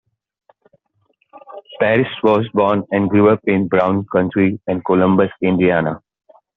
Paris was born and grew up in Brown County and Columbus, Indiana.